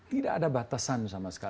tidak ada batasan sama sekali